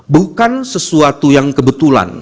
bukan sesuatu yang kebetulan